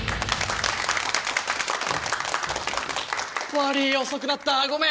悪い遅くなったごめん！